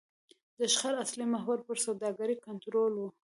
د شخړو اصلي محور پر سوداګرۍ کنټرول و.